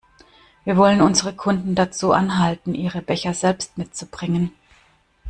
Wir wollen unsere Kunden dazu anhalten, ihre Becher selbst mitzubringen.